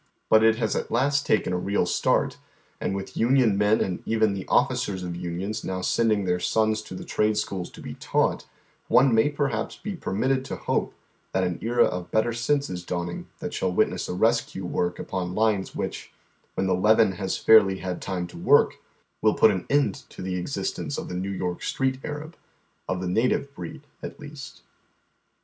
But it has at last taken a real start, and with union men and even the officers of unions now send ing their sons to the trade schools to be taught,* one may perhaps be permitted to hope that an era of better sense is dawning that shall witness a rescue work upon lines which, when the leaven has fairly had time to work, will put an end to the existence of the New York Street Arab, of the native breed at least.